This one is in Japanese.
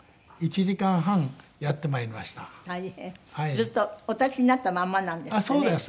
ずっとお立ちになったまんまなんですってねいつも。